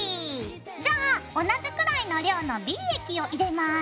じゃあ同じくらいの量のＢ液を入れます。